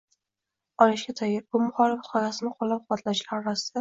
olishga tayyor. Bu muxolifat g‘oyasini qo‘llab-quvvatlovchilar orasida